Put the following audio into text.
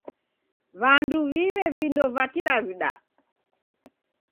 W'andu w'iw'e vindo va Kidaw'ida.